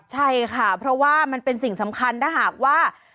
ใช่ค่ะเพราะว่ามันเป็นสิ่งสำคัญถ้าหากว่า